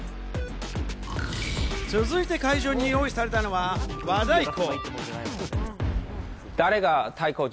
続いて会場に用意されたのは、和太鼓。